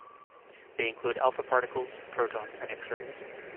They include alpha particles, protons, and X-rays.